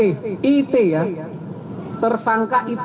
ini it it ya tersangka it